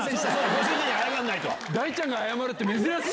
ご主人に謝らないと。